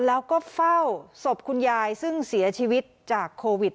แล้วก็เฝ้าศพคุณยายซึ่งเสียชีวิตจากโควิด